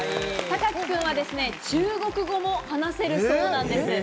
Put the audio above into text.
たかき君は中国語も話せるそうなんです。